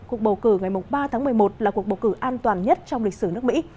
cuộc bầu cử ngày ba tháng một mươi một là cuộc bầu cử an toàn nhất trong lịch sử nước mỹ